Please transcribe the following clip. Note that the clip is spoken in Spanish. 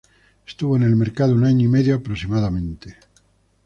Estuvo en el mercado un año y medio aproximadamente.